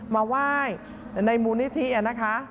มาไหว้ในมูลนิธินะคะ